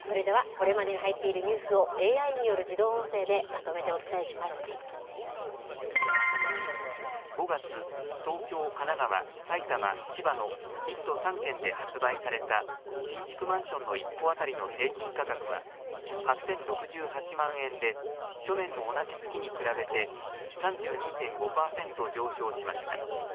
それでは、これまでに入っているニュースをＡＩによる自動音声で５月、東京、神奈川、埼玉、千葉の１都３県で発売された新築マンションの１戸当たりの平均価格は、８０６８万円で、去年の同じ月に比べて３２．５％上昇しました。